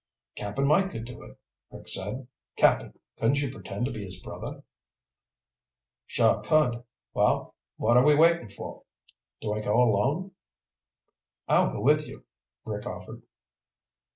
"Cap'n Mike could do it," Rick said. "Cap'n, couldn't you pretend to be his brother?" "Sure I could. Well, what are we waiting for? Do I go alone?" "I'll go with you," Rick offered.